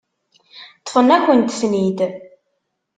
Ṭṭfen-akent-ten-id.